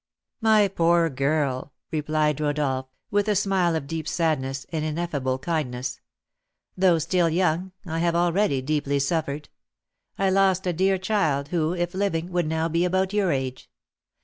"My poor girl," replied Rodolph, with a smile of deep sadness and ineffable kindness, "though still young, I have already deeply suffered. I lost a dear child, who, if living, would now be about your age.